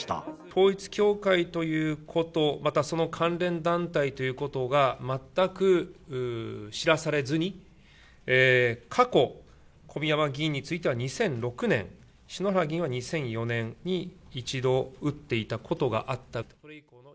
統一教会ということ、またその関連団体ということが全く知らされずに、過去、小宮山議員については２００６年、篠原議員は２００４年に、一度、打っていたことがあった。